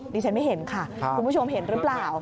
ดิฉันไม่เห็นค่ะคุณผู้ชมเห็นหรือเปล่า